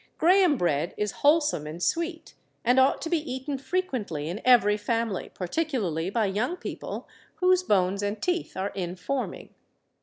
Graham bread is wholesome and sweet, and ought to be eaten frequently in every family, particularly by young people whose bones and teeth are in forming.